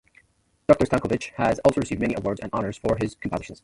Doctor Stankovych has also received many awards and honours for his compositions.